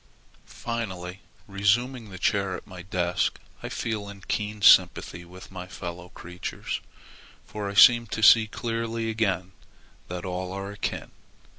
Finally resuming the chair at my desk I feel in keen sympathy with my fellow creatures, for I seem to see clearly again that all are akin.